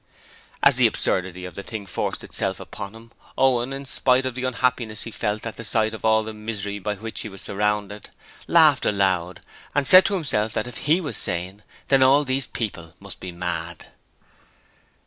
As the absurdity of the thing forced itself upon him, Owen, in spite of the unhappiness he felt at the sight of all the misery by which he was surrounded, laughed aloud and said to himself that if he was sane, then all these people must be mad.